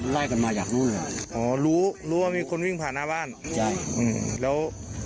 ไล่กันมาจากนู่นเลยอ๋อรู้รู้ว่ามีคนวิ่งผ่านหน้าบ้านใช่อืมแล้ว